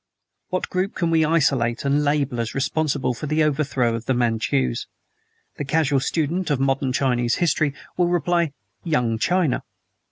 What group can we isolate and label as responsible for the overthrow of the Manchus? The casual student of modern Chinese history will reply: "Young China."